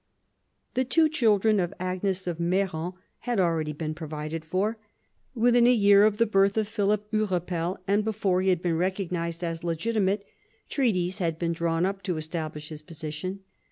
The two children of Agnes of Meran had already been provided for. Within a year of the birth of Philip Hurepel, and before he had been recognised as legitimate, treaties had been drawn up to establish his position.